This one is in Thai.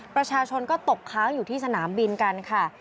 ประชาชนก็ตกค้างอยู่ที่สนามบินกันค่ะ